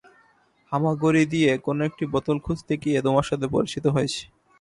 হামাগুড়ি দিয়ে কোন একটি বোতল খুঁজতে গিয়ে তোমার সাথে পরিচিত হয়েছি।